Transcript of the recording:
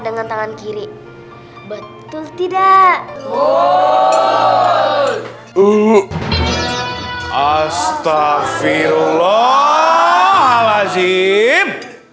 dengan tangan kiri betul tidak uh astagfirullahaladzim